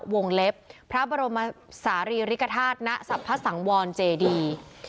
วงเล็บพระบรมศาลีริกฐาตุณสรรพสังวรเจดี